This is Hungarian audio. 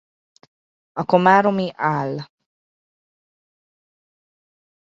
A komáromi áll.